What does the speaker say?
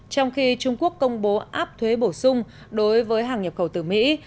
trong khi trung quốc công bố áp thuế bổ sung đối với hàng nhập khẩu từ mỹ